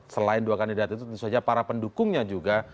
selain dua kandidat itu tentu saja para pendukungnya juga